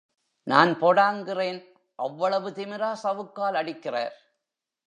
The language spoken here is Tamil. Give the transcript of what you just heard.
நான் போடாங்கிறேன் அவ்வளவு திமிரா சவுக்கால் அடிக்கிறார்.